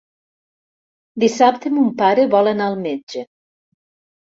Dissabte mon pare vol anar al metge.